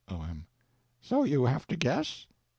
O.M. So you have to guess?